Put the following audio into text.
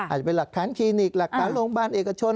อาจจะเป็นหลักฐานคลินิกหลักฐานโรงพยาบาลเอกชน